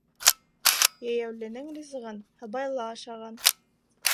Йәйәүленең ризығын һыбайлы ашаған.